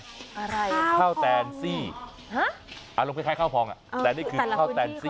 อะไรข้าวแตนซี่ฮะอารมณ์คล้ายข้าวพองอ่ะแต่นี่คือข้าวแตนซี่